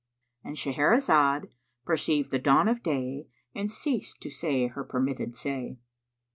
—And Shahrazad perceived the dawn of day and ceased to say her permitted say.